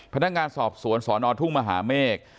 พนักงานสอบสวนสนทุ่งมหาเมฆ